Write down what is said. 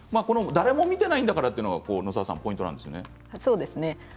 誰も見ていないんだからというのがポイントなんですよね。